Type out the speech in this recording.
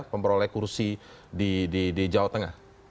memperoleh kursi di jawa tengah